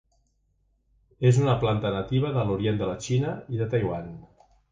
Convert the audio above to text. És una planta nativa de l'orient de la Xina i de Taiwan.